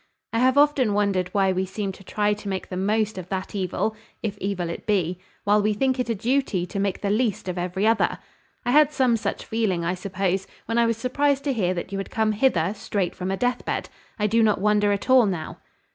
I have often wondered why we seem to try to make the most of that evil (if evil it be), while we think it a duty to make the least of every other. I had some such feeling, I suppose, when I was surprised to hear that you had come hither straight from a deathbed: I do not wonder at all now."